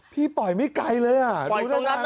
พี่ปล่อยไม่ไกลเลยอ่ะ